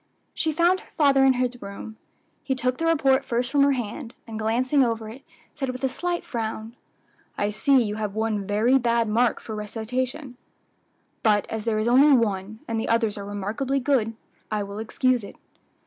She found her father in his room. He took the report first from her hand, and glancing over it, said with a slight frown, "I see you have one very bad mark for recitation; but as there is only one, and the others are remarkably good, I will excuse it."